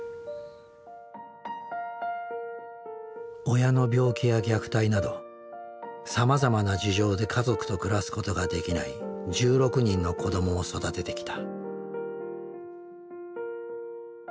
親の病気や虐待などさまざまな事情で家族と暮らすことができない１６人の子どもを育ててきた。